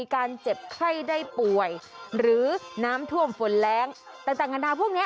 การเจ็บไข้ได้ป่วยหรือน้ำท่วมฝนแรงต่างนานาพวกเนี้ย